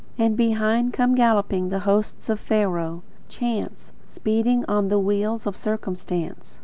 And behind come galloping the hosts of Pharaoh; chance, speeding on the wheels of circumstance.